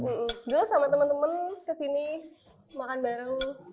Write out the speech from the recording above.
dulu sama teman teman kesini makan bareng